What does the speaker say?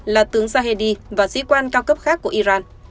là tướng sahedi và sĩ quan cao cấp khác của iran